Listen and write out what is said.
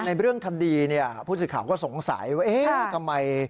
ในเรื่องคดีผู้สิทธิ์ข่าวก็สงสัยว่าเอ๊ะทำไม